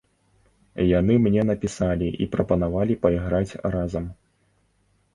Яны мне напісалі і прапанавалі пайграць разам.